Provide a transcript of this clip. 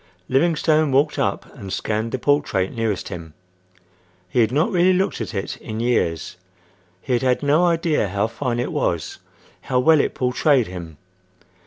Livingstone walked up and scanned the portrait nearest him. He had not really looked at it in years. He had had no idea how fine it was. How well it portrayed him!